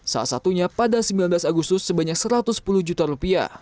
salah satunya pada sembilan belas agustus sebanyak rp satu ratus sepuluh juta